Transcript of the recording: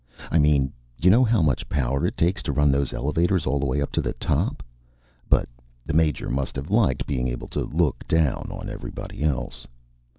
I mean you know how much power it takes to run those elevators all the way up to the top? But the Major must have liked being able to look down on everybody else.